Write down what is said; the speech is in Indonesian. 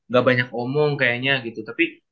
gak banyak omong kayaknya gitu tapi